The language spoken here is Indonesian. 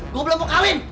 gue belum mau kawin